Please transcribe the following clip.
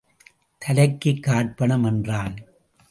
தலைக்குக் காற்பணம் என்றான்.